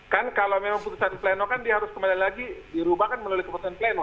kan kalau memang putusan di pleno kan dia harus kembali lagi dirubahkan melalui keputusan di pleno